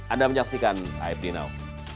anda menyaksikan aibdinaw